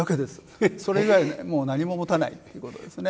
それ以外、もう何も持たないということですね。